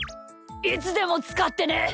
いつでもつかってね。